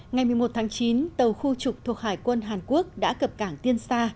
ngày một mươi một tháng chín tàu khu trục thuộc hải quân hàn quốc đã cập cảng tiên sa